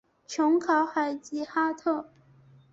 琼考海吉哈特。